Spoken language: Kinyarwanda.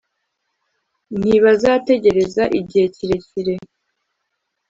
ntibazategereza igihe kirekire